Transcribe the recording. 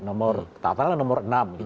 nomor ketahuan ketahuan nomor enam